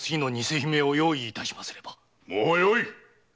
もうよい！